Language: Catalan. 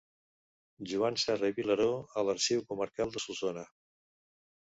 Joan Serra i Vilaró a l'Arxiu Comarcal de Solsona.